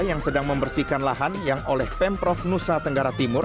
yang sedang membersihkan lahan yang oleh pemprov nusa tenggara timur